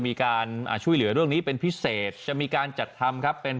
มีการช่วยเหลือเรื่องนี้เป็นพิเศษจะมีการจัดทำครับเป็น